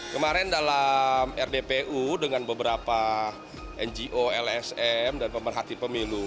kemarin dalam rdpu dengan beberapa ngo lsm dan pemerhati pemilu